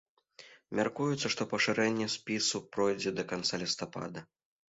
Мяркуецца, што пашырэнне спісу пройдзе да канца лістапада.